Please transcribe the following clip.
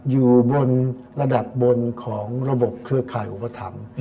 อยู่บนระดับบนของระบบเครือข่ายอุปถัมภ์